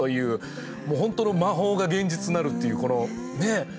もう本当の魔法が現実になるっていう、この、ねえ。